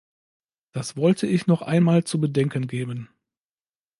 Das wollte ich noch einmal zu bedenken geben.